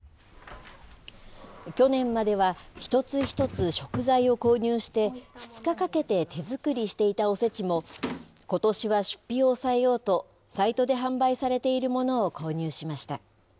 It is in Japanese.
去年までは、一つ一つ食材を購入して、２日かけて手作りしていたおせちも、ことしは出費を抑えようと、サイトで販売されているものを購入しました。